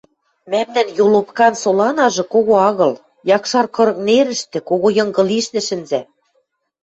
Мӓмнӓн Йолобкан соланажы кого агыл, Якшар кырык нерӹштӹ, Кого Йынгы лишнӹ, шӹнзӓ.